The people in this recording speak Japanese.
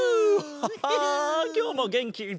きょうもげんきいっぱいだな。